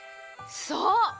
そう！